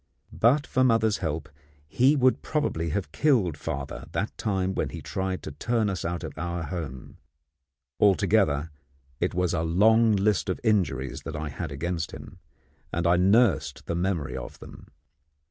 But for mother's help, he would probably have killed father that time when he tried to turn us out of our home. Altogether, it was a long list of injuries that I had against him, and I nursed the memory of them.